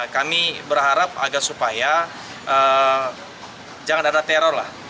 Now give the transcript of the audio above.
kami berharap agar supaya jangan ada teror lah